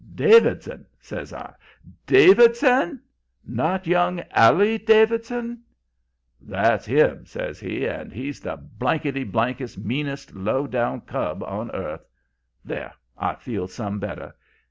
"'Davidson!' says I. 'DAVIDSON? Not young Allie Davidson?' "'That's him,' says he. 'And he's the blankety blankest meanest low down cub on earth. There! I feel some better.